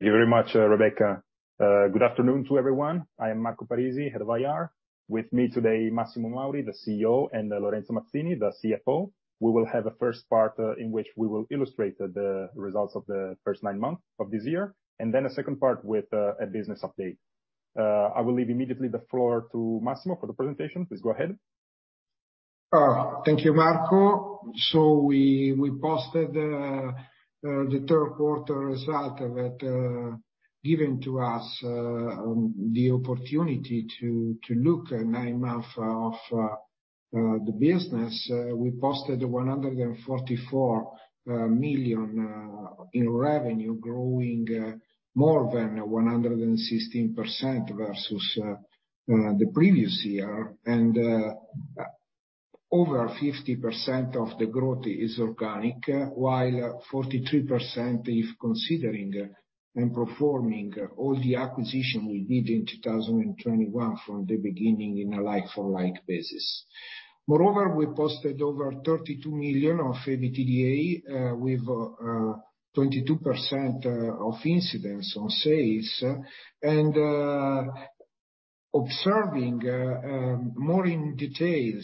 Thank you very much, Rebecca. Good afternoon to everyone. I am Marco Parisi, Head of IR. With me today, Massimo Mauri, the CEO, and Lorenzo Mazzini, the CFO. We will have a first part in which we will illustrate the results of the first nine months of this year, and then a second part with a business update. I will leave immediately the floor to Massimo for the presentation. Please go ahead. Thank you, Marco. We posted the third quarter results that give us the opportunity to look at nine months of the business. We posted 144 million in revenue, growing more than 116% versus the previous year. Over 50% of the growth is organic, while 43% if considering the performance of all the acquisitions we did in 2021 from the beginning in a like for like basis. Moreover, we posted over 32 million of EBITDA with 22% incidence on sales. Observing more in detail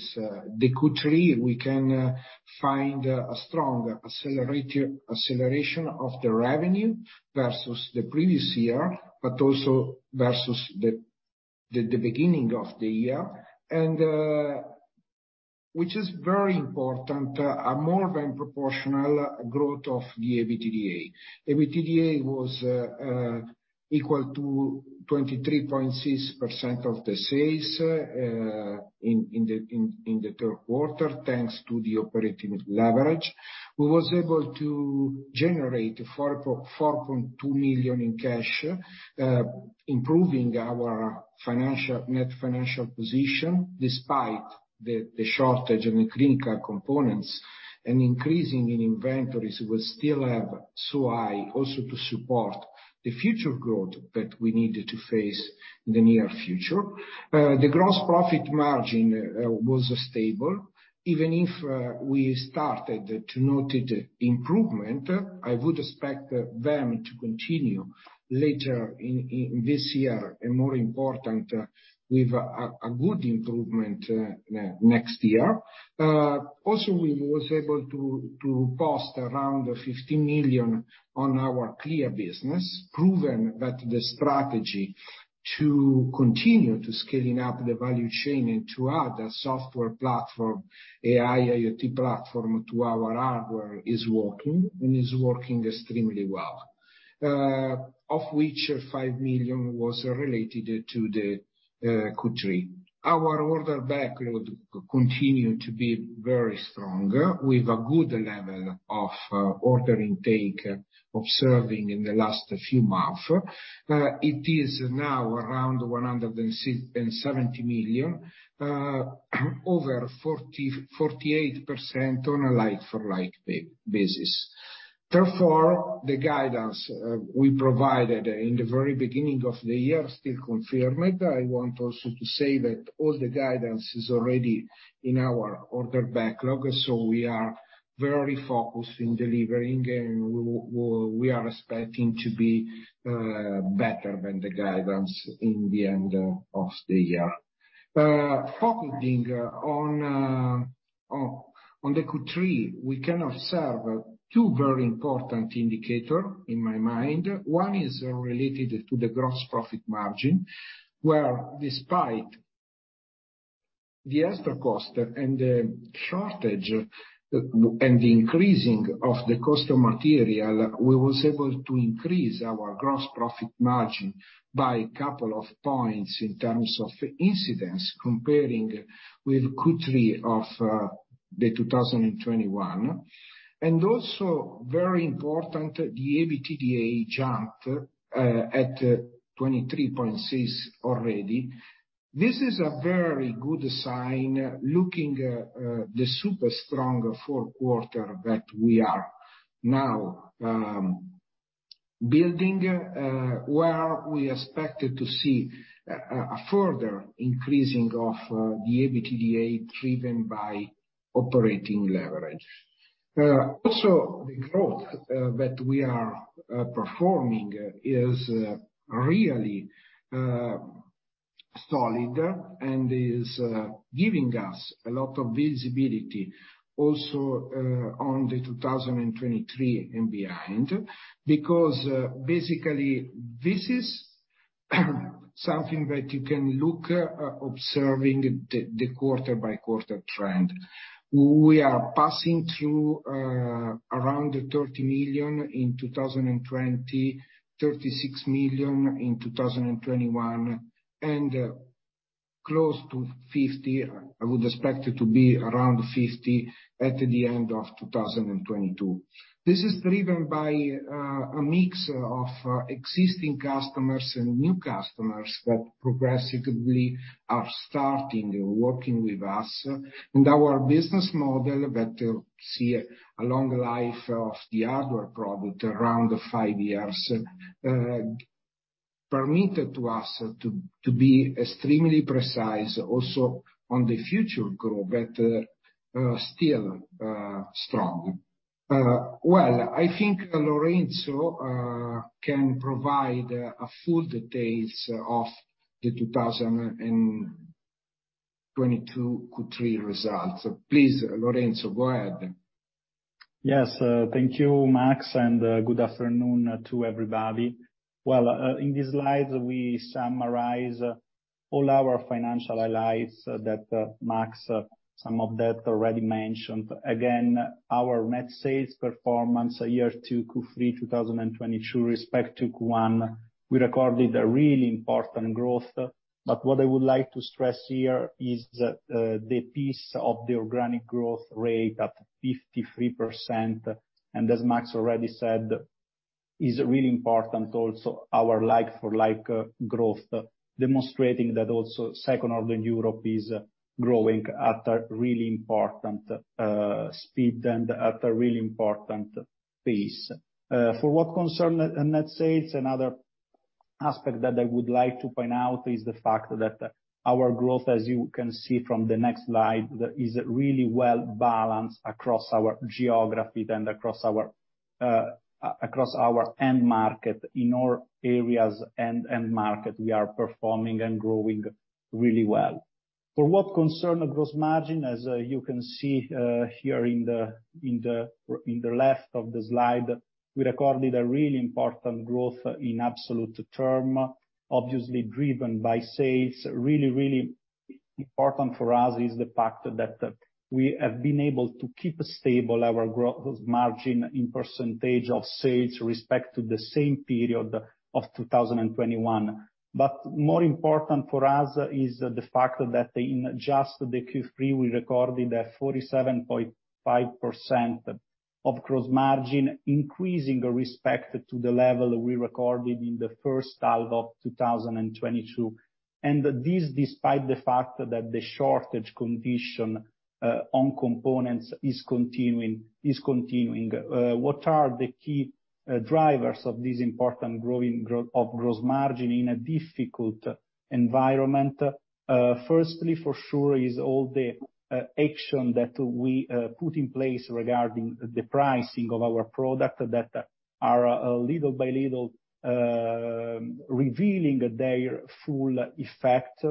the Q3, we can find a strong acceleration of the revenue versus the previous year, but also versus the beginning of the year. Which is very important, a more than proportional growth of the EBITDA. EBITDA was equal to 23.6% of the sales in the third quarter, thanks to the operating leverage. We was able to generate 4.2 million in cash, improving our net financial position despite the shortage in the critical components and increasing in inventories will still have so high also to support the future growth that we need to face in the near future. The gross profit margin was stable, even if we started to note improvement. I would expect them to continue later in this year and more important with a good improvement next year. Also we was able to post around 50 million on our Clea business, proving that the strategy to continue to scaling up the value chain into other software platform, AI, IoT platform to our hardware is working, and is working extremely well. Of which 5 million was related to the Q3. Our order backlog continue to be very strong with a good level of order intake observed in the last few month. It is now around 167 million, over 48% on a like-for-like basis. Therefore, the guidance we provided in the very beginning of the year still confirmed. I want also to say that all the guidance is already in our order backlog, so we are very focused in delivering and we are expecting to be better than the guidance in the end of the year. Focusing on the Q3, we can observe two very important indicator in my mind. One is related to the gross profit margin, where despite the extra cost and the shortage and the increasing of the cost of material, we was able to increase our gross profit margin by couple of points in terms of incidence comparing with Q3 of 2021. Also very important, the EBITDA jumped at 23.6% already. This is a very good sign looking at the super strong fourth quarter that we are now building, where we expected to see a further increase in the EBITDA driven by operating leverage. Also the growth that we are performing is really solid and is giving us a lot of visibility also on 2023 and beyond. Because, basically, this is something that you can see by observing the quarter-by-quarter trend. We are passing through around 30 million in 2020, 36 million in 2021, and close to 50 million. I would expect it to be around 50 million at the end of 2022. This is driven by a mix of existing customers and new customers that progressively are starting working with us. Our business model that see a long life of the hardware product around five years. Permitted to us to be extremely precise also on the future growth, but strong. Well, I think Lorenzo can provide full details of the 2022 Q3 results. Please, Lorenzo, go ahead. Yes, thank you, Mass, and good afternoon to everybody. Well, in this slide we summarize all our financial highlights that Mass has already mentioned. Again, our net sales performance in 2022 Q3 2022 versus Q1, we recorded a really important growth. What I would like to stress here is that the pace of the organic growth rate at 53%, and as Mass already said, is really important also our like for like growth, demonstrating that also SECO in Europe is growing at a really important speed and at a really important pace. For what concerns net sales, another aspect that I would like to point out is the fact that our growth, as you can see from the next slide, is really well balanced across our geography and across our end markets. In all areas, end markets, we are performing and growing really well. For what concerns gross margin, as you can see here in the left of the slide, we recorded a really important growth in absolute terms, obviously driven by sales. Really important for us is the fact that we have been able to keep stable our gross margin in percentage of sales respect to the same period of 2021. More important for us is the fact that in just the Q3, we recorded a 47.5% gross margin increase with respect to the level we recorded in the first half of 2022. This despite the fact that the shortage condition on components is continuing. What are the key drivers of this important growth of gross margin in a difficult environment? Firstly, for sure is all the action that we put in place regarding the pricing of our products that are little by little revealing their full effect.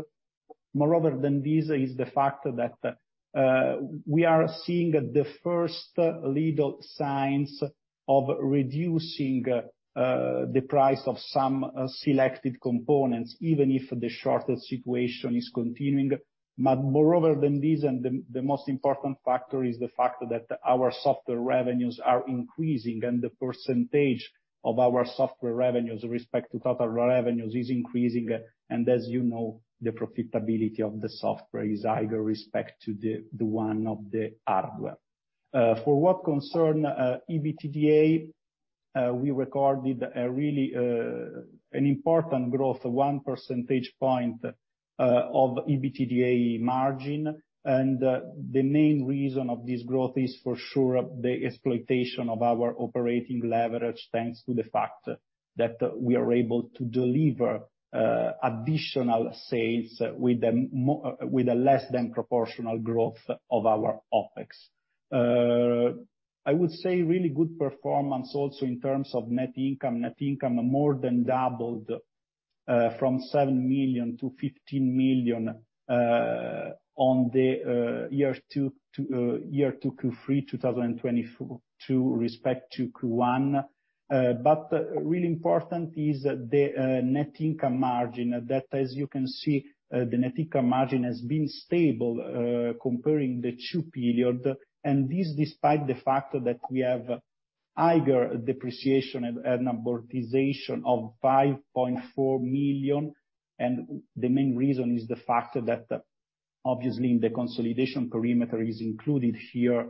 More than this is the fact that we are seeing the first little signs of reducing the price of some selected components, even if the shortage situation is continuing. More than this, the most important factor is the fact that our software revenues are increasing and the percentage of our software revenues with respect to total revenues is increasing. As you know, the profitability of the software is higher with respect to the one of the hardware. For what concerns EBITDA, we recorded a really important growth, one percentage point of EBITDA margin. The main reason of this growth is for sure the exploitation of our operating leverage, thanks to the fact that we are able to deliver additional sales with a less than proportional growth of our OpEx. I would say really good performance also in terms of net income. Net income more than doubled from 7 million to 15 million on the Q2-Q3 2022 respective to Q1. Really important is the net income margin. That, as you can see, the net income margin has been stable comparing the two periods. This despite the fact that we have higher depreciation and amortization of 5.4 million. The main reason is the fact that obviously the consolidation perimeter is included here.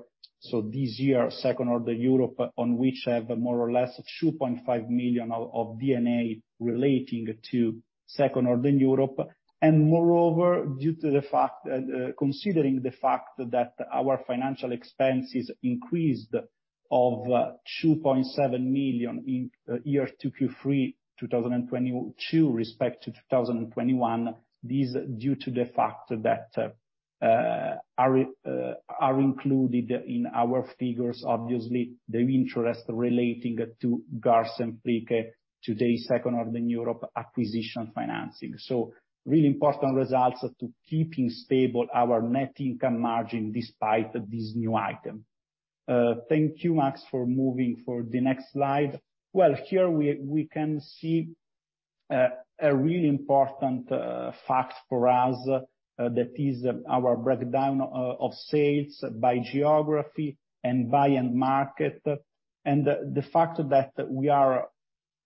This year, SECO Northern Europe, on which have more or less 2.5 million of D&A relating to SECO Northern Europe. Moreover, due to the fact that, considering the fact that our financial expenses increased by 2.7 million in 2Q3 2022 compared to 2021, this is due to the fact that our figures obviously include the interest relating to Garz & Fricke, today SECO Northern Europe, acquisition financing. Really important results in keeping stable our net income margin despite this new item. Thank you, Mass, for moving to the next slide. Well, here we can see a really important fact for us, that is our breakdown of sales by geography and by end market. The fact that we are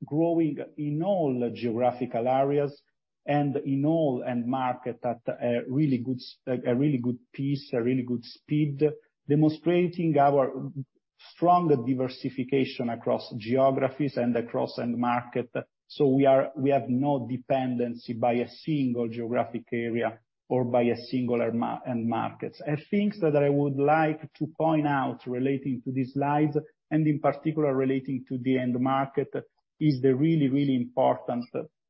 growing in all geographical areas and in all end markets at a really good pace, a really good speed, demonstrating our stronger diversification across geographies and across end markets. We have no dependency by a single geographic area or by a single end markets. A thing that I would like to point out relating to these slides, and in particular relating to the end market, is the really important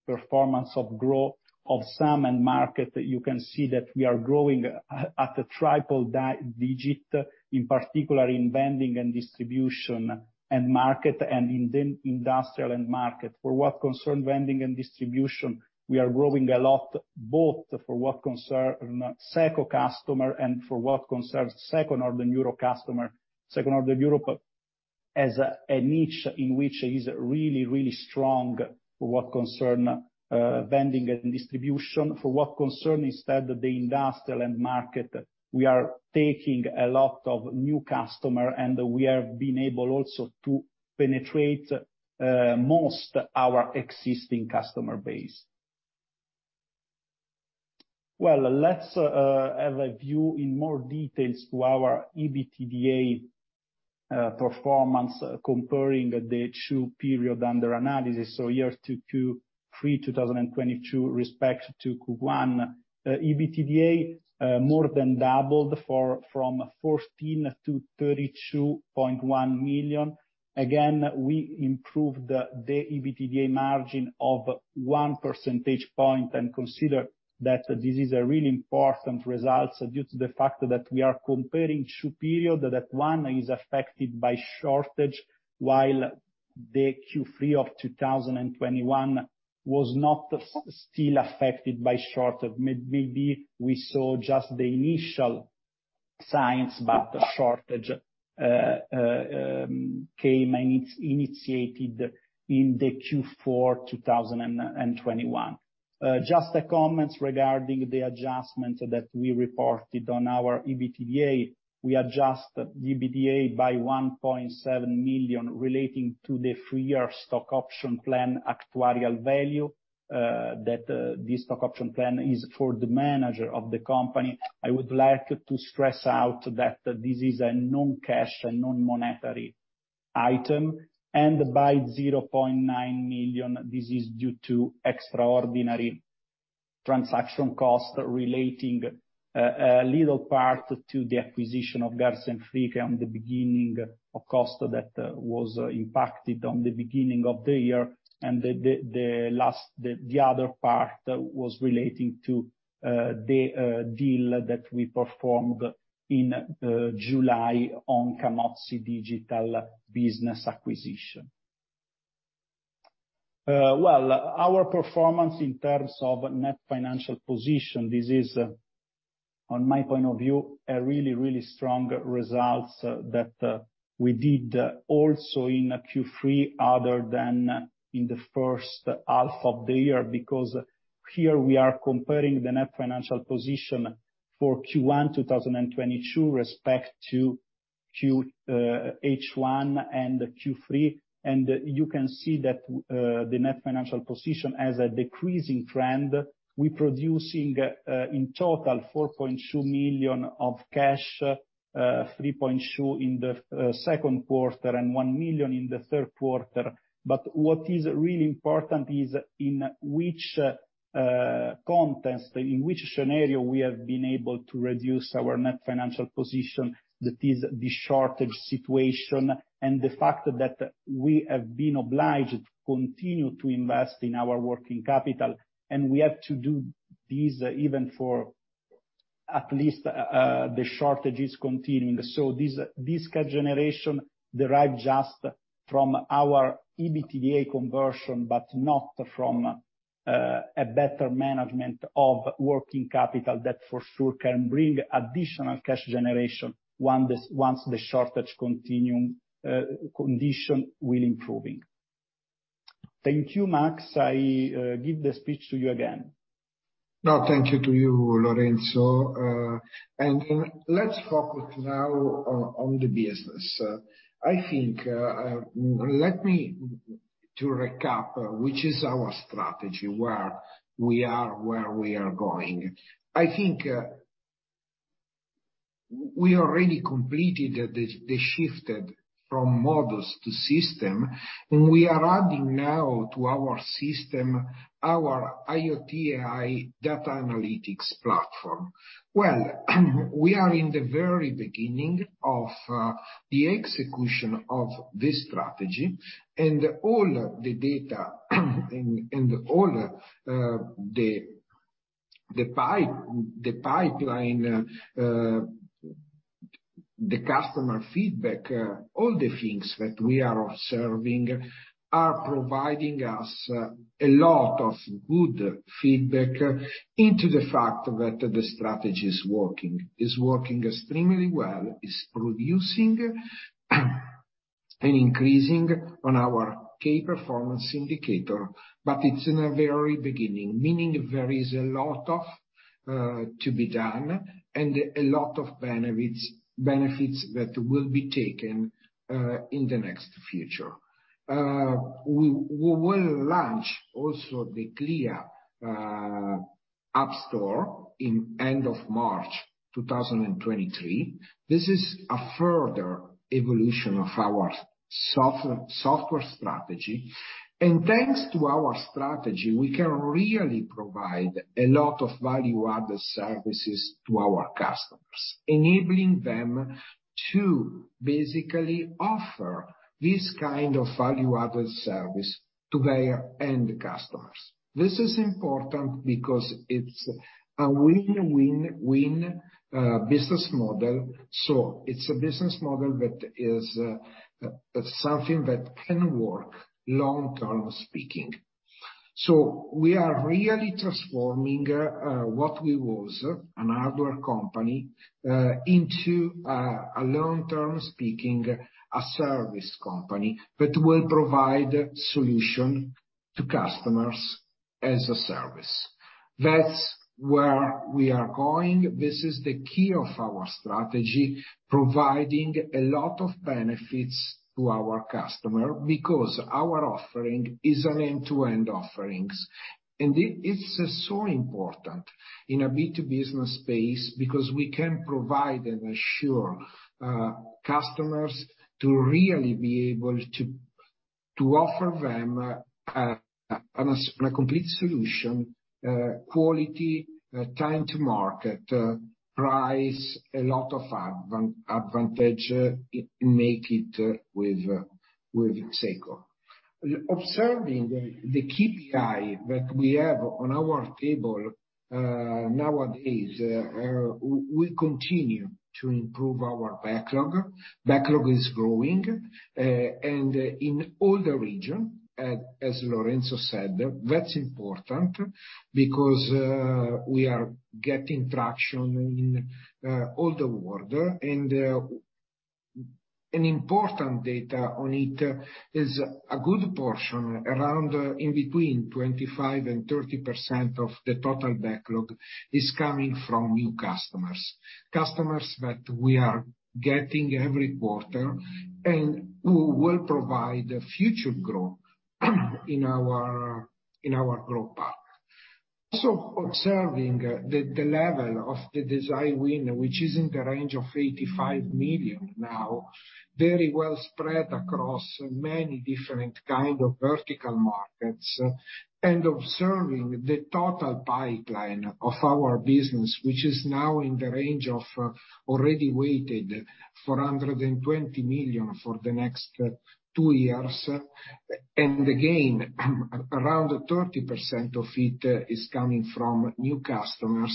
performance of growth of some end markets. You can see that we are growing at a triple-digit, in particular in vending and distribution end market and in the industrial end market. For what concerns vending and distribution, we are growing a lot, both for what concerns SECO customer and for what concerns SECO Northern Europe customer. SECO Northern Europe as a niche in which it is really strong for what concerns vending and distribution. For what concerns instead the industrial end market, we are taking a lot of new customer, and we have been able also to penetrate most of our existing customer base. Well, let's have a view in more detail to our EBITDA performance comparing the two periods under analysis. Year-to-date Q3 2022 compared to Q1. EBITDA more than doubled from 14 million-32.1 million. Again, we improved the EBITDA margin by 1 percentage point, and consider that this is a really important result due to the fact that we are comparing two periods that one is affected by shortage while the Q3 of 2021 was not yet affected by shortage. Maybe we saw just the initial signs about the shortage that was initiated in Q4 2021. Just comments regarding the adjustment that we reported on our EBITDA. We adjusted the EBITDA by 1.7 million relating to the three-year stock option plan actuarial value, that this stock option plan is for the managers of the company. I would like to stress that this is a non-cash and non-monetary item. By 0.9 million, this is due to extraordinary transaction costs relating a little part to the acquisition of Garz & Fricke in the beginning, a cost that was incurred at the beginning of the year. The other part was relating to the deal that we performed in July on Camozzi Digital business acquisition. Well, our performance in terms of net financial position, this is, on my point of view, a really strong results that we did also in Q3 other than in the first half of the year, because here we are comparing the net financial position for Q1 2022 with respect to H1 and Q3. You can see that the net financial position has a decreasing trend. We producing in total 4.2 million of cash, 3.2 in the second quarter and 1 million in the third quarter. What is really important is in which context, in which scenario we have been able to reduce our net financial position. That is the shortage situation and the fact that we have been obliged to continue to invest in our working capital, and we have to do this even for at least the shortage is continuing. This cash generation derived just from our EBITDA conversion, but not from a better management of working capital that for sure can bring additional cash generation once the shortage continuing condition will improve. Thank you, Mass. I give the speech to you again. No, thank you to you, Lorenzo. Let's focus now on the business. I think let me recap which is our strategy, where we are, where we are going. I think we already completed the shift from modules to systems, and we are adding now to our system our IoT AI data analytics platform. Well, we are in the very beginning of the execution of this strategy and all the data and all the pipeline, the customer feedback, all the things that we are observing are providing us a lot of good feedback into the fact that the strategy is working extremely well. It's producing and increasing on our key performance indicator, but it's in a very beginning, meaning there is a lot of to be done and a lot of benefits that will be taken in the next future. We will launch also the Clea Store at the end of March 2023. This is a further evolution of our software strategy. Thanks to our strategy, we can really provide a lot of value-added services to our customers, enabling them to basically offer this kind of value-added service to their end customers. This is important because it's a win-win-win business model. It's a business model that is something that can work long-term speaking. We are really transforming what we was, a hardware company, into, a long-term speaking, a service company that will provide solution to customers as a service. That's where we are going. This is the key of our strategy, providing a lot of benefits to our customer because our offering is an end-to-end offerings. It's so important in a B2B business space because we can provide and assure customers to really be able to offer them a complete solution, quality, time to market, price, a lot of advantage in making it with SECO. Observing the KPI that we have on our table nowadays, we continue to improve our backlog. Backlog is growing and in all the region, as Lorenzo said. That's important because we are getting traction in all the world. An important data on it is a good portion around in between 25% and 30% of the total backlog is coming from new customers that we are getting every quarter and who will provide future growth in our growth path. Observing the level of the design win, which is in the range of 85 million now, very well spread across many different kind of vertical markets. Observing the total pipeline of our business, which is now in the range of already weighted 420 million for the next two years. Again, around 30% of it is coming from new customers.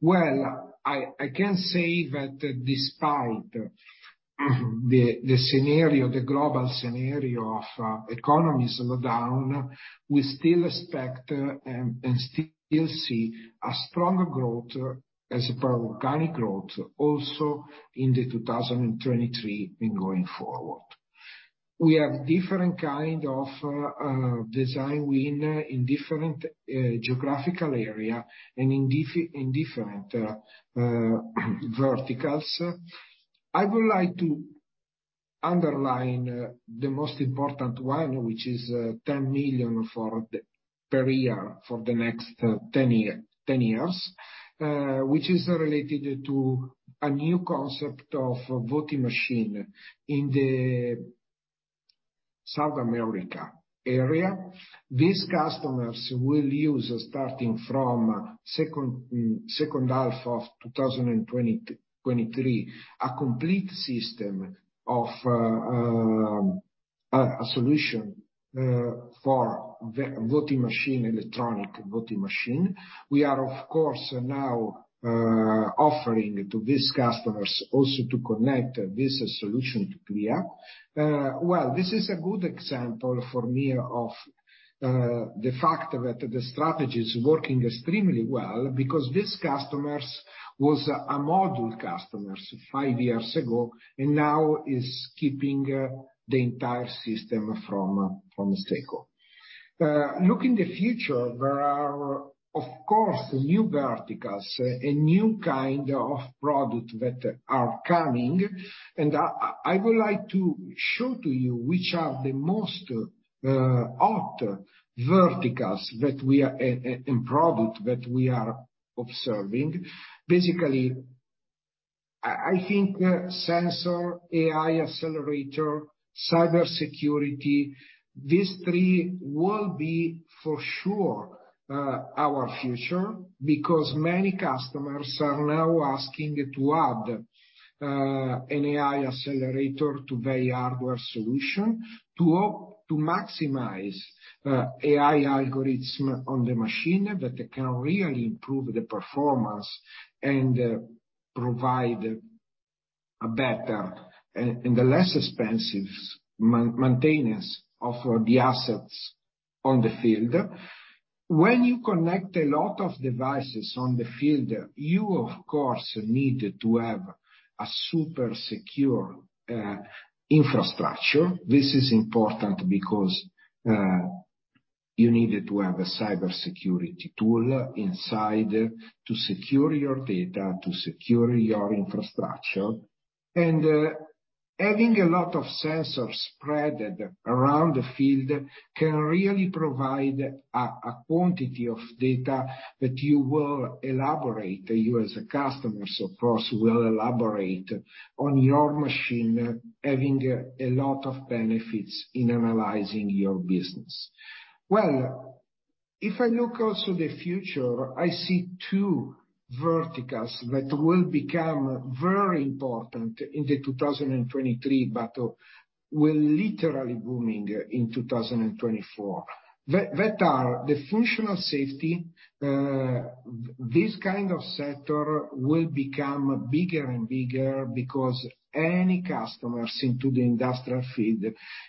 Well, I can say that despite the scenario, the global scenario of economy slowdown, we still expect and still see a strong growth as for organic growth also in 2023 and going forward. We have different kind of design win in different geographical area and in different verticals. I would like to underline the most important one, which is 10 million per year for the next 10 years, which is related to a new concept of voting machine in the South America area. These customers will use starting from second half of 2023, a complete system of a solution for voting machine, electronic voting machine. We are, of course, offering to these customers also to connect this solution to Clea. Well, this is a good example for me of the fact that the strategy is working extremely well because these customers was a model customers five years ago, and now is keeping the entire system from SECO. Look in the future, there are, of course, new verticals, a new kind of product that are coming. I would like to show to you which are the most hot verticals that we are and product that we are observing. Basically, I think sensor, AI accelerator, cybersecurity, these three will be for sure our future because many customers are now asking to add an AI accelerator to their hardware solution to maximize AI algorithm on the machine that can really improve the performance and provide a better and a less expensive maintenance of the assets on the field. When you connect a lot of devices on the field, you of course need to have a super secure infrastructure. This is important because you need to have a cybersecurity tool inside to secure your data, to secure your infrastructure. Having a lot of sensors spread around the field can really provide a quantity of data that you will elaborate, you as a customer, of course, will elaborate on your machine, having a lot of benefits in analyzing your business. Well, if I look to the future, I see two verticals that will become very important in 2023, but will literally booming in 2024. That are the functional safety. This kind of sector will become bigger and bigger because any customers in the industrial field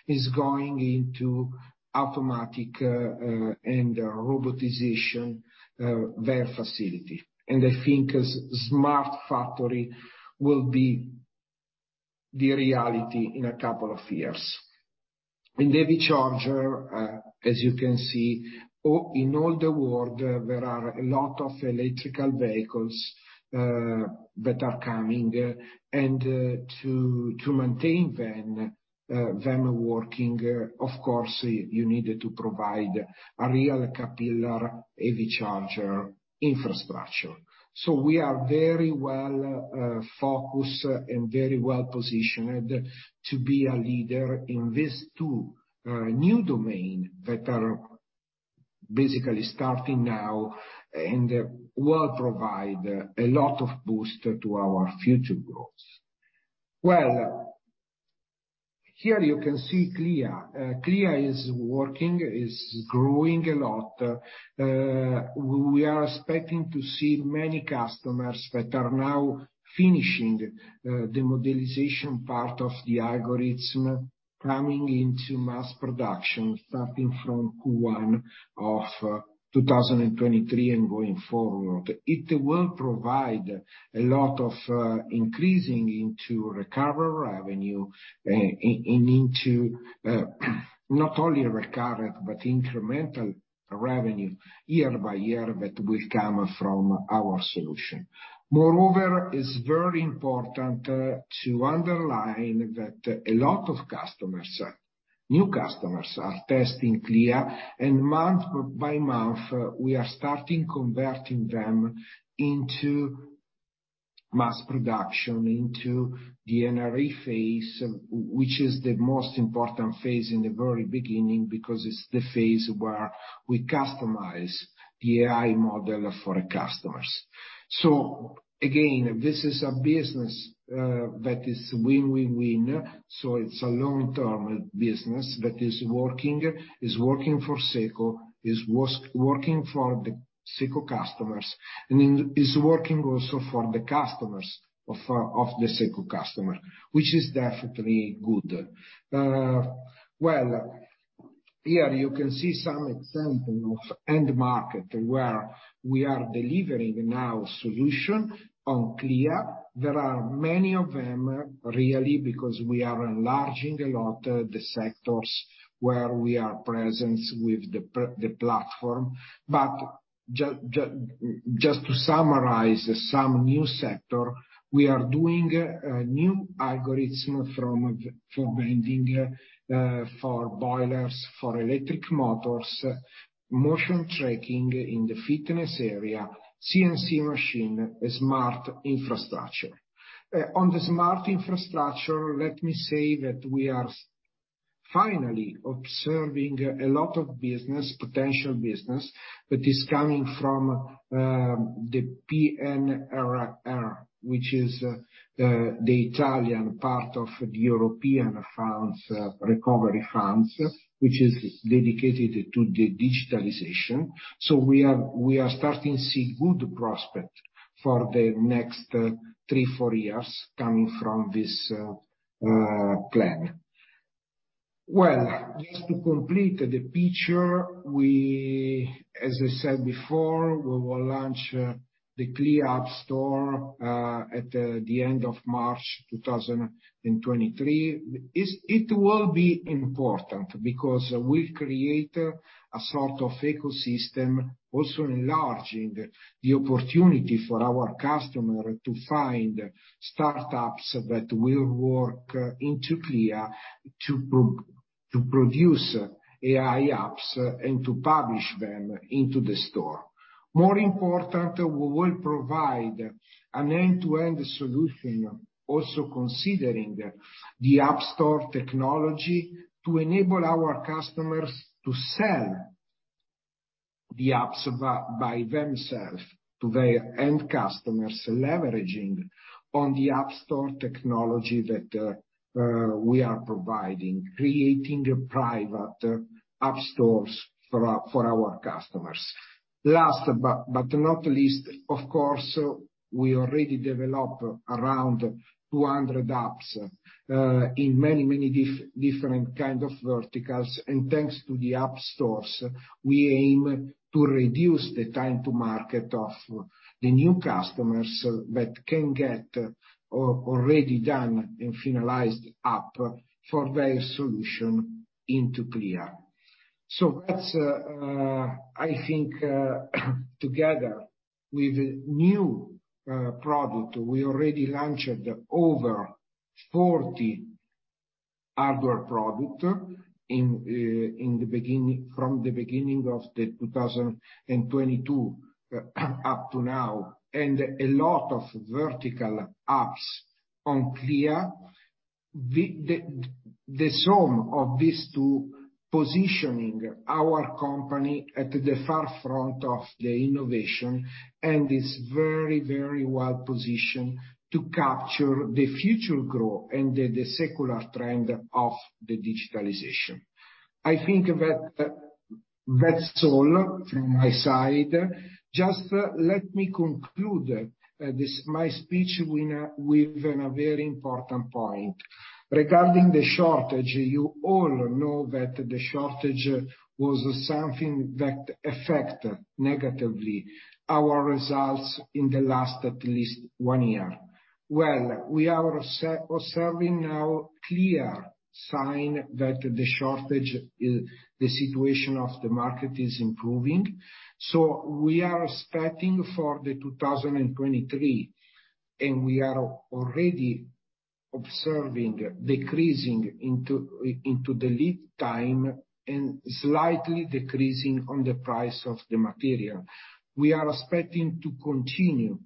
is going into automation and robotization their facility. I think smart factory will be the reality in a couple of years. In the EV charger, as you can see, all over the world, there are a lot of electric vehicles that are coming, and to maintain them working, of course, you need to provide a real capillary EV charger infrastructure. We are very well focused and very well-positioned to be a leader in these two new domains that are basically starting now and will provide a lot of boost to our future growth. Well, here you can see Clea. Clea is working, is growing a lot. We are expecting to see many customers that are now finishing the modeling part of the algorithm coming into mass production, starting from Q1 of 2023 and going forward. It will provide a lot of increasing into recurring revenue and into not only recovered but incremental revenue year by year that will come from our solution. Moreover, it's very important to underline that a lot of customers, new customers are testing Clea, and month by month, we are starting converting them into mass production, into the NRE phase, which is the most important phase in the very beginning because it's the phase where we customize the AI model for customers. Again, this is a business that is win, win, so it's a long-term business that is working for SECO, is working for the SECO customers, and is working also for the customers of the SECO customer, which is definitely good. Well, here you can see some examples of end markets where we are delivering our solutions on Clea. There are many of them, really, because we are enlarging a lot the sectors where we are present with the platform. Just to summarize some new sector, we are doing a new algorithm for vending, for boilers, for electric motors, motion tracking in the fitness area, CNC machine, smart infrastructure. On the smart infrastructure, let me say that we are finally observing a lot of business, potential business that is coming from the PNRR, which is the Italian part of the European recovery funds, which is dedicated to the digitalization. We are starting to see good prospect for the next three, four years coming from this plan. Well, just to complete the picture, as I said before, we will launch the Clea app store at the end of March 2023. It will be important because we'll create a sort of ecosystem also enlarging the opportunity for our customer to find startups that will work into Clea to produce AI apps and to publish them into the store. More important, we will provide an end-to-end solution also considering the app store technology to enable our customers to sell the apps by themselves to their end customers, leveraging on the app store technology that we are providing, creating private app stores for our customers. Last but not least, of course, we already develop around 200 apps in many different kind of verticals. Thanks to the app stores, we aim to reduce the time to market of the new customers that can get already done and finalized app for their solution into Clea. That's, I think, together with new product, we already launched over 40 hardware product in the beginning, from the beginning of 2022 up to now, and a lot of vertical apps on Clea. The sum of these two positioning our company at the forefront of the innovation and is very well positioned to capture the future growth and the secular trend of the digitalization. I think that's all from my side. Just let me conclude this my speech with a very important point. Regarding the shortage, you all know that the shortage was something that affect negatively our results in the last at least one year. Well, we are observing now clear sign that the shortage is the situation of the market is improving. We are expecting for 2023, and we are already observing decreasing into the lead time and slightly decreasing on the price of the material. We are expecting to continue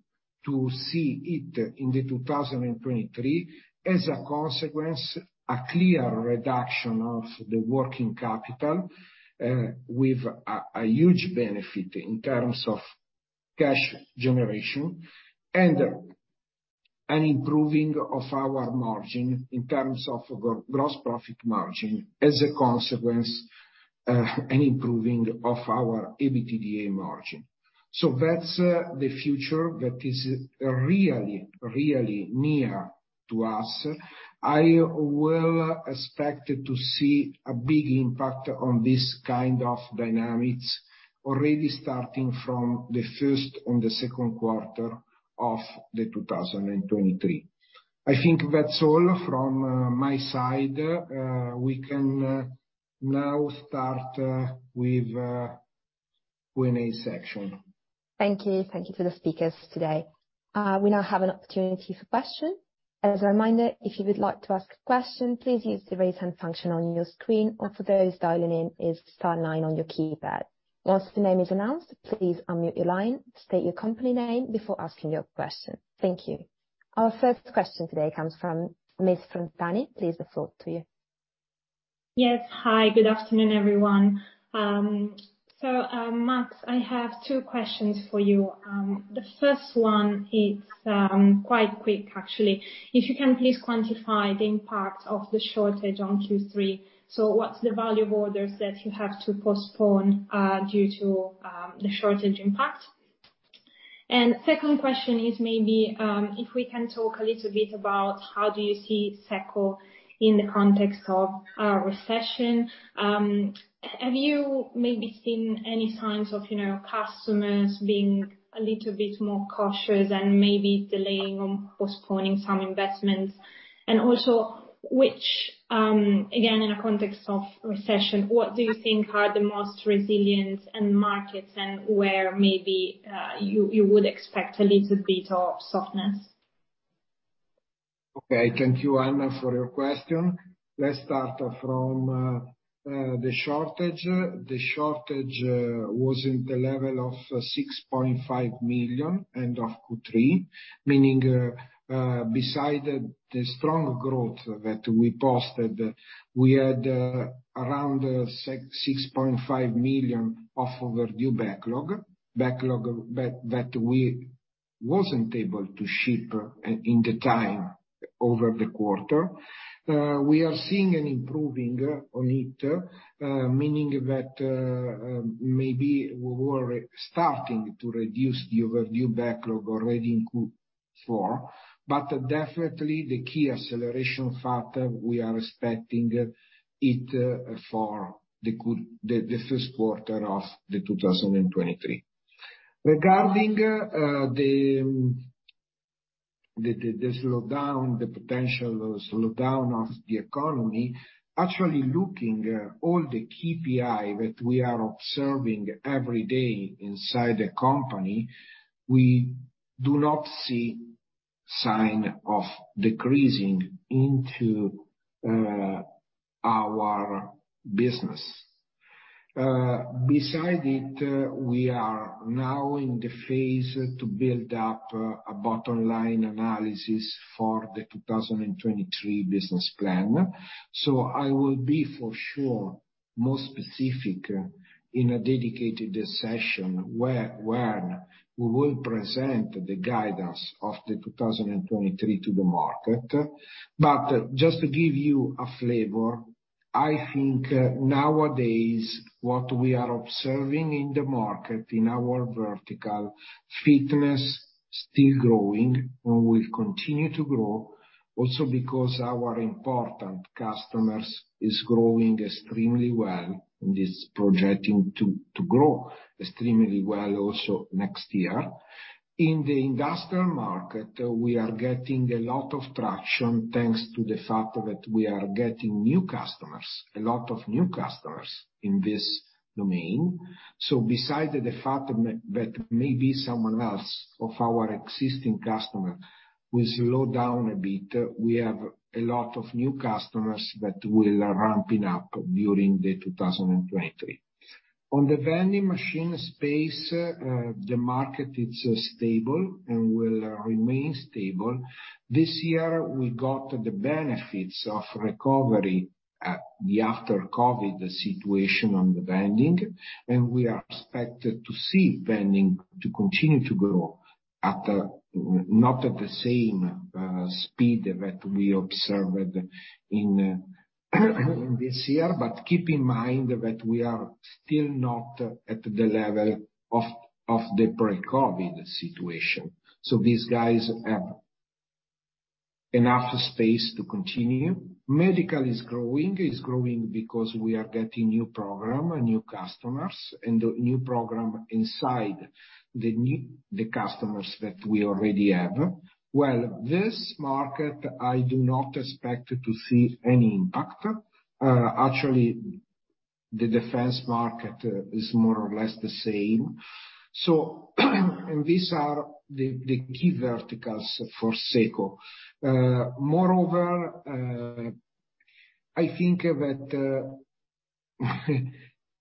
to see it in 2023. As a consequence, a clear reduction of the working capital, with a huge benefit in terms of cash generation and an improving of our margin in terms of gross profit margin as a consequence, an improving of our EBITDA margin. That's the future that is really near to us. I will expect to see a big impact on this kind of dynamics already starting from the first and the second quarter of 2023. I think that's all from my side. We can now start with Q&A section. Thank you. Thank you to the speakers today. We now have an opportunity for questions. As a reminder, if you would like to ask a question, please use the raise hand function on your screen, or for those dialing in, it's star nine on your keypad. Once the name is announced, please unmute your line, state your company name before asking your question. Thank you. Our first question today comes from Miss Arianna. Please, the floor to you. Yes. Hi, good afternoon, everyone. So, Mass, I have two questions for you. The first one it's quite quick, actually. If you can please quantify the impact of the shortage on Q3. So what's the value of orders that you have to postpone due to the shortage impact? And second question is maybe if we can talk a little bit about how do you see SECO in the context of a recession. Have you maybe seen any signs of, you know, customers being a little bit more cautious and maybe delaying or postponing some investments? And also, which, again, in a context of recession, what do you think are the most resilient, and markets and where maybe you would expect a little bit of softness? Thank you, Anna, for your question. Let's start from the shortage. The shortage was in the level of 6.5 million end of Q3, meaning, besides the strong growth that we posted, we had around 6.5 million of overdue backlog. Backlog that we wasn't able to ship in the time over the quarter. We are seeing an improvement in it, meaning that maybe we were starting to reduce the overdue backlog already in Q4. Definitely the key acceleration factor, we are expecting it for the first quarter of 2023. Regarding the potential slowdown of the economy, actually looking at all the KPIs that we are observing every day inside the company, we do not see sign of decreasing in our business. Beside it, we are now in the phase to build up a bottom line analysis for the 2023 business plan. I will be for sure more specific in a dedicated session where we will present the 2023 guidance to the market. Just to give you a flavor, I think nowadays what we are observing in the market, in our vertical, fitness still growing and will continue to grow also because our important customers is growing extremely well and is projecting to grow extremely well also next year. In the industrial market, we are getting a lot of traction thanks to the fact that we are getting new customers, a lot of new customers in this domain. Beside the fact that maybe some of our existing customers will slow down a bit, we have a lot of new customers that will ramp up during 2023. On the vending machine space, the market is stable and will remain stable. This year we got the benefits of recovery in the after-COVID situation in the vending, and we are expected to see vending continue to grow, not at the same speed that we observed in this year. Keep in mind that we are still not at the level of the pre-COVID situation. These guys have enough space to continue. Medical is growing. It's growing because we are getting new program, new customers, and new program inside the customers that we already have. Well, this market, I do not expect to see any impact. Actually, the defense market is more or less the same. These are the key verticals for SECO. Moreover, I think that,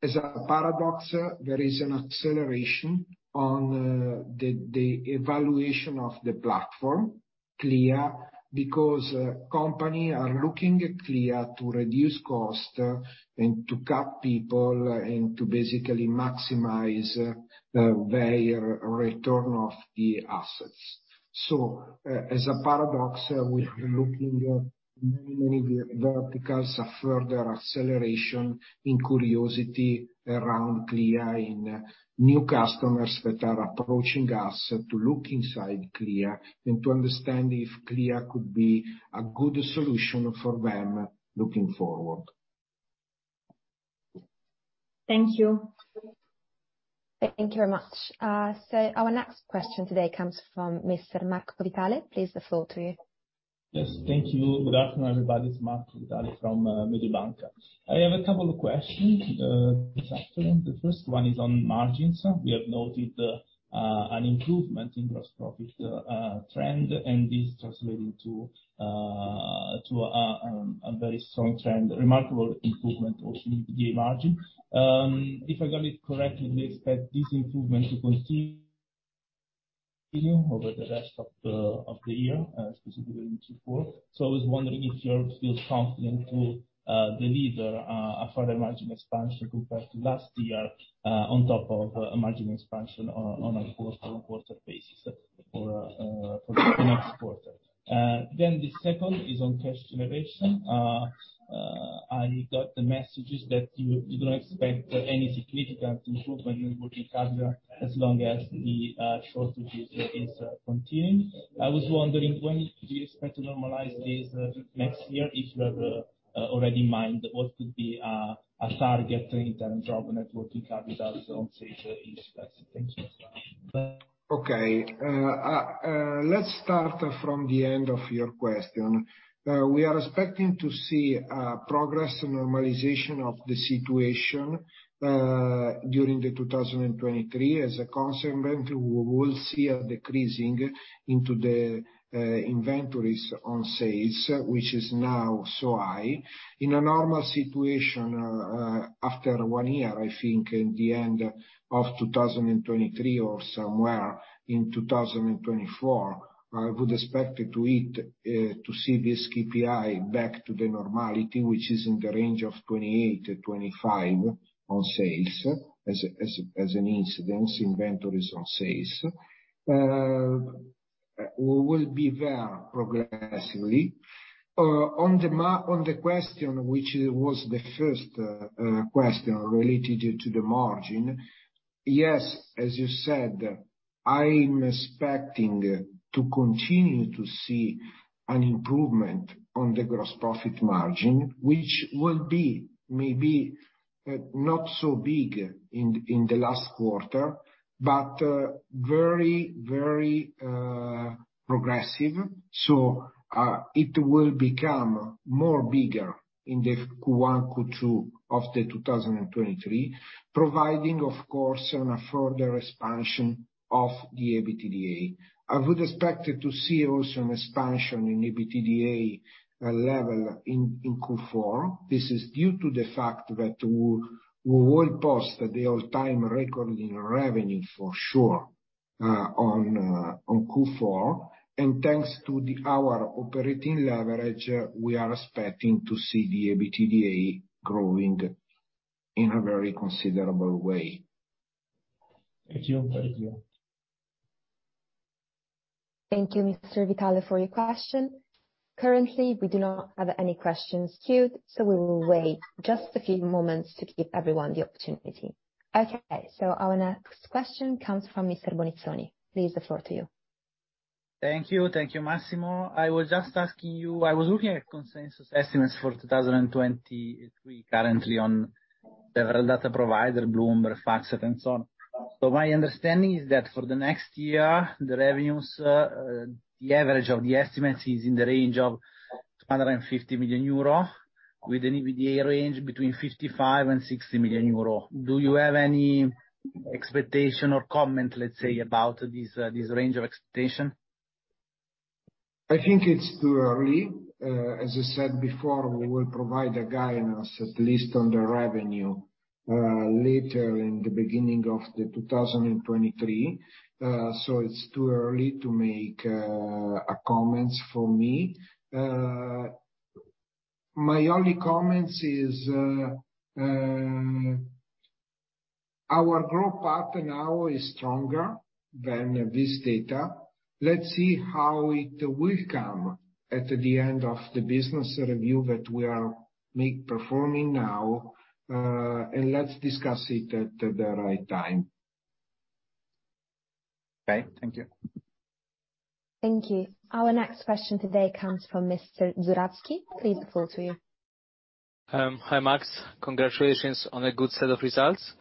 as a paradox, there is an acceleration on the evaluation of the platform, Clea, because companies are looking at Clea to reduce cost and to cut people and to basically maximize their return of the assets. As a paradox, we are looking at many, many verticals of further acceleration in curiosity around Clea, in new customers that are approaching us to look inside Clea and to understand if Clea could be a good solution for them looking forward. Thank you. Thank you very much. Our next question today comes from Mr. Marco Vitale. Please, the floor to you. Yes, thank you. Good afternoon, everybody. It's Marco Vitale from Mediobanca I have a couple of questions this afternoon. The first one is on margins. We have noted an improvement in gross profit trend, and this translating to a very strong trend, remarkable improvement of EBITDA margin. If I got it correctly, do you expect this improvement to continue over the rest of the year, specifically Q4? I was wondering if you're still confident to deliver a further margin expansion compared to last year, on top of a margin expansion on a quarter-over-quarter basis for the next quarter. The second is on cash generation. I got the messages that you don't expect any significant improvement in working capital as long as the shortages is continuing. I was wondering when do you expect to normalize this next year? If you have already in mind what could be a target in terms of working capital on sales each semester? Thank you. Okay. Let's start from the end of your question. We are expecting to see progressive normalization of the situation during 2023. As a consequence, we will see a decrease in the inventories on sales, which is now so high. In a normal situation, after one year, I think in the end of 2023 or somewhere in 2024, I would expect to see this KPI back to the normality, which is in the range of 28-25 on sales as an incidence inventories on sales. We will be there progressively. On the question, which was the first question related to the margin, yes, as you said, I'm expecting to continue to see an improvement on the gross profit margin, which will be maybe not so big in the last quarter, but very progressive. It will become more bigger in the Q1, Q2 of 2023, providing of course a further expansion of the EBITDA. I would expect to see also an expansion in EBITDA level in Q4. This is due to the fact that we will post the all-time record in revenue for sure on Q4. Thanks to our operating leverage, we are expecting to see the EBITDA growing in a very considerable way. Thank you. Thank you. Thank you, Mr. Vitale, for your question. Currently, we do not have any questions queued, so we will wait just a few moments to give everyone the opportunity. Okay, our next question comes from Mr. Bonizzoni. Please, the floor to you. Thank you. Thank you, Massimo. I was just asking you, I was looking at consensus estimates for 2023 currently on several data providers, Bloomberg, FactSet and so on. My understanding is that for the next year, the revenues, the average of the estimates is in the range of 250 million euro with an EBITDA range between 55 million and 60 million euro. Do you have any expectation or comment, let's say, about this range of expectation? I think it's too early. As I said before, we will provide a guidance at least on the revenue, later in the beginning of 2023. It's too early to make a comments from me. My only comments is, our growth path now is stronger than this data. Let's see how it will come at the end of the business review that we are performing now, and let's discuss it at the right time. Okay, thank you. Thank you. Our next question today comes from Mr. Żurowski. Please proceed. Hi, Mass. Congratulations on a good set of results.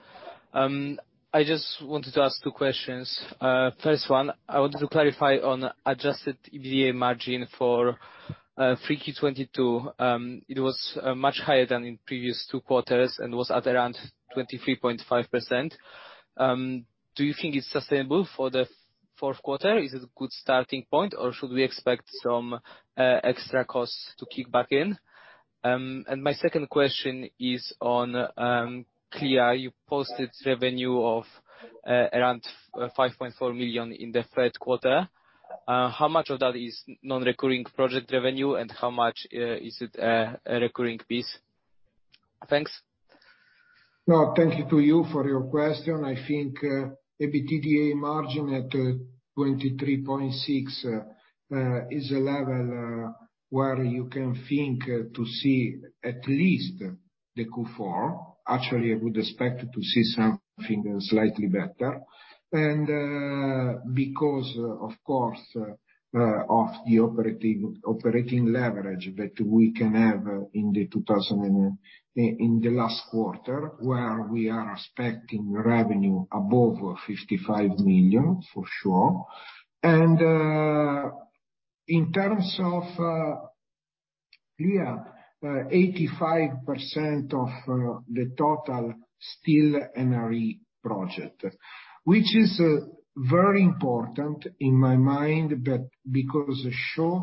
I just wanted to ask two questions. First one, I wanted to clarify on adjusted EBITDA margin for 3Q 2022. It was much higher than in previous two quarters and was at around 23.5%. Do you think it's sustainable for the fourth quarter? Is it a good starting point, or should we expect some extra costs to kick back in? My second question is on Clea. You posted revenue of around 5.4 million in the third quarter. How much of that is non-recurring project revenue, and how much is it a recurring piece? Thanks. No, thank you to you for your question. I think, EBITDA margin at 23.6% is a level where you can think to see at least the Q4. Actually, I would expect to see something slightly better. Because, of course, of the operating leverage that we can have in the last quarter, where we are expecting revenue above 55 million, for sure. And, in terms of, 85% of the total still NRE project, which is very important in my mind that because it show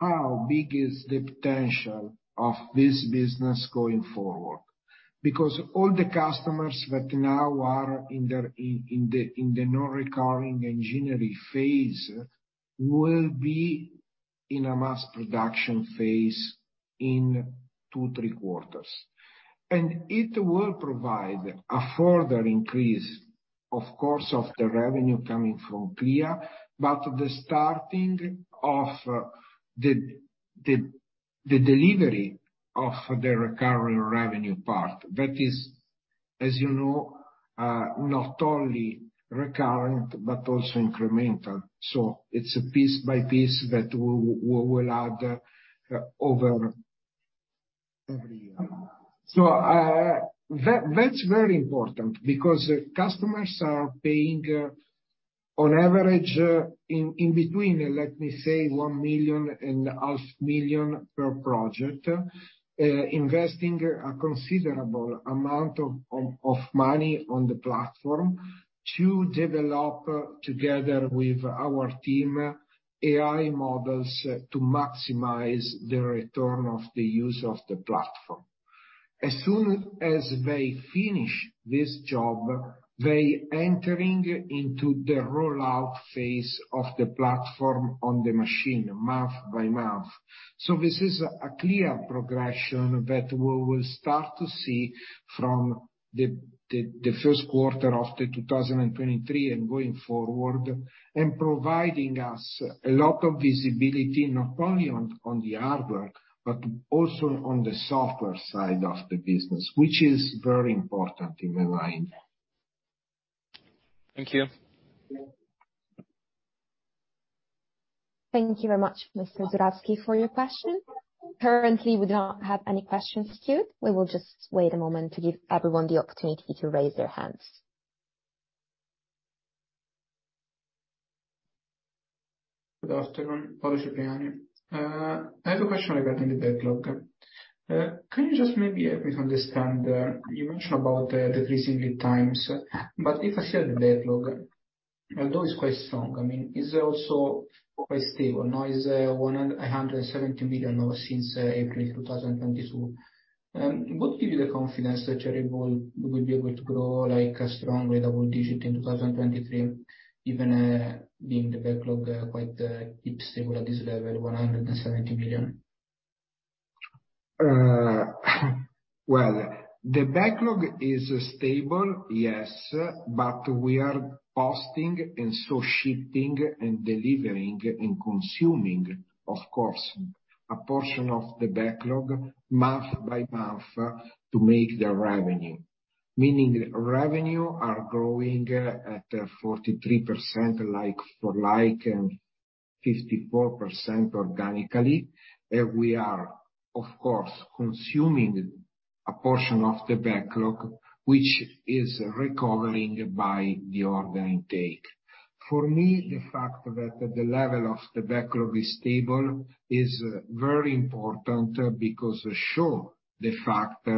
how big is the potential of this business going forward. Because all the customers that now are in the non-recurring engineering phase will be in a mass production phase in two, three quarters. It will provide a further increase, of course, of the revenue coming from Clea, but the starting of the delivery of the recurring revenue part, that is, as you know, not only recurring but also incremental. It's a piece by piece that we will add over every year. That's very important because customers are paying on average in between, let me say, half million and 1 million per project, investing a considerable amount of money on the platform to develop together with our team AI models to maximize the return of the use of the platform. As soon as they finish this job, they're entering into the rollout phase of the platform on the machine month by month. This is a clear progression that we will start to see from the first quarter of 2023 and going forward, and providing us a lot of visibility, not only on the hardware, but also on the software side of the business, which is very important in my mind. Thank you. Thank you very much, Mr. [Żurowski], for your question. Currently, we don't have any questions queued. We will just wait a moment to give everyone the opportunity to raise their hands. Good afternoon. Paolo Cipriani. I have a question regarding the backlog. Can you just maybe help me to understand, you mentioned about decreasing lead times, but if I see the backlog, although it's quite strong, I mean, it's also quite stable. Now it's 170 million since April 2022. What give you the confidence that SECO will be able to grow like a strong double digit in 2023, even being the backlog quite keep stable at this level, EUR 170 million? The backlog is stable, yes. We are posting and so shifting and delivering and consuming, of course, a portion of the backlog month by month to make the revenue. Meaning revenue are growing at 43% like for like and 54% organically. We are, of course, consuming a portion of the backlog, which is recovering by the order intake. For me, the fact that the level of the backlog is stable is very important because it show the fact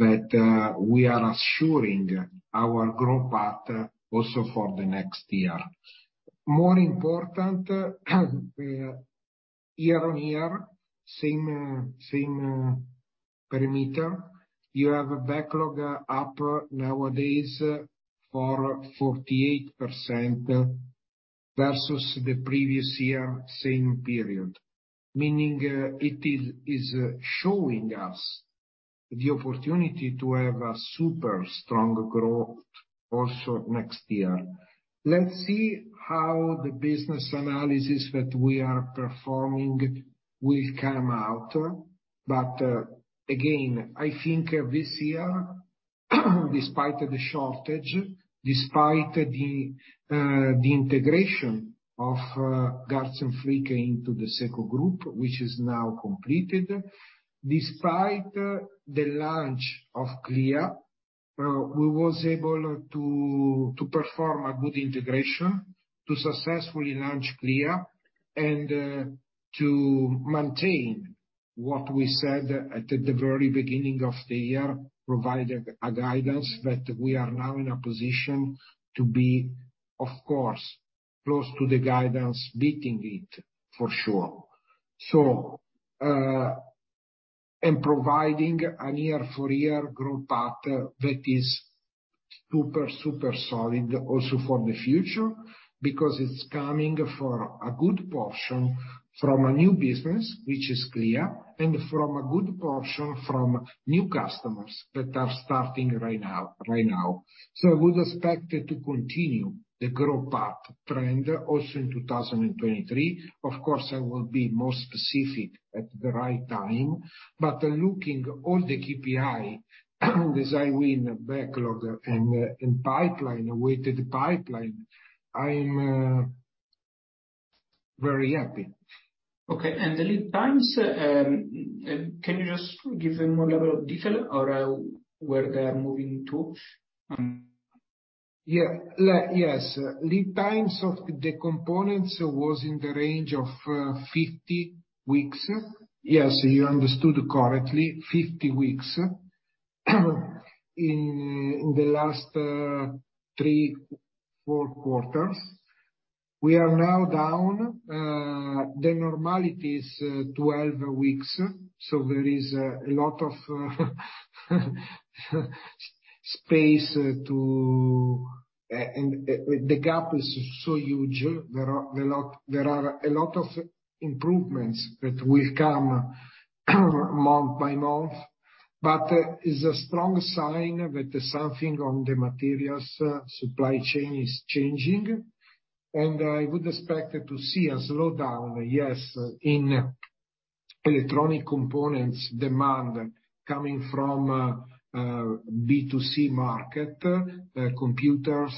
that we are assuring our growth path also for the next year. More important, year-on-year, same parameter, you have a backlog up nowadays for 48% versus the previous year same period. Meaning it is showing us the opportunity to have a super strong growth also next year. Let's see how the business analysis that we are performing will come out. I think this year, despite the shortage, despite the integration of Garz & Fricke into the SECO group, which is now completed, despite the launch of Clea, we was able to perform a good integration, to successfully launch Clea and to maintain what we said at the very beginning of the year, provided a guidance that we are now in a position to be, of course, close to the guidance, beating it for sure. In providing a year-over-year growth path that is super solid also for the future, because it's coming for a good portion from a new business, which is Clea, and from a good portion from new customers that are starting right now, right now. We would expect it to continue the growth path trend also in 2023. Of course, I will be more specific at the right time. Looking all the KPI, design win backlog and pipeline, weighted pipeline, I'm very happy. Okay. The lead times, can you just give a more level of detail around where they are moving to? Yeah. Yes. Lead times of the components was in the range of 50 weeks. Yes, you understood correctly, 50 weeks in the last three, four quarters. We are now down. The normality is 12 weeks, so there is a lot of space, and the gap is so huge. There are a lot of improvements that will come month by month. But it's a strong sign that something on the materials supply chain is changing. I would expect to see a slowdown, yes, in electronic components demand coming from B2C market, computers,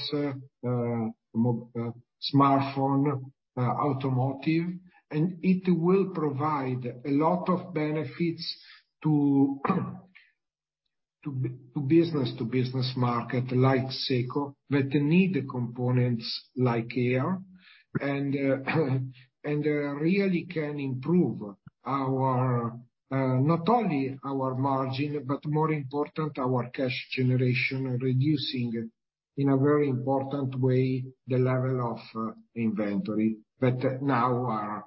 smartphone, automotive. It will provide a lot of benefits to business-to-business market like SECO that need the components like air. Really can improve our not only our margin, but more important, our cash generation, reducing in a very important way the level of inventory that now are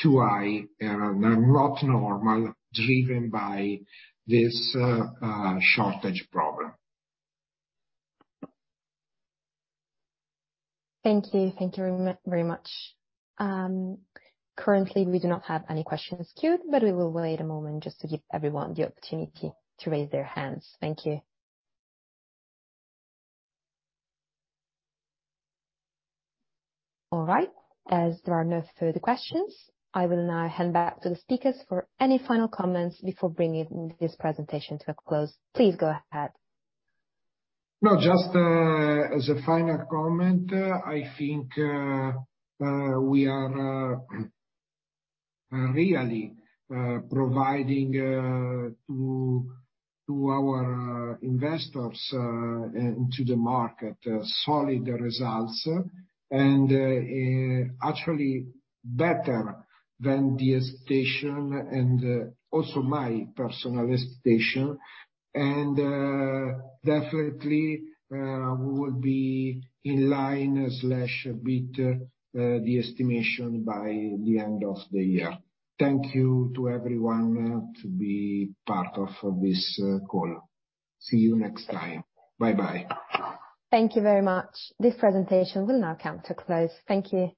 too high and are not normal, driven by this shortage problem. Thank you. Thank you very much. Currently, we do not have any questions queued, but we will wait a moment just to give everyone the opportunity to raise their hands. Thank you. All right. As there are no further questions, I will now hand back to the speakers for any final comments before bringing this presentation to a close. Please go ahead. No, just as a final comment, I think we are really providing to our investors and to the market solid results. Actually better than the expectation and also my personal expectation. Definitely we will be in line/beat the estimation by the end of the year. Thank you to everyone to be part of this call. See you next time. Bye-bye. Thank you very much. This presentation will now come to close. Thank you.